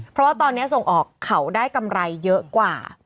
เพราะว่าตอนนี้ส่งออกเขาได้กำไรเยอะกว่า